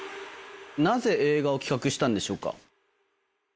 なぜ、映画を企画したんでし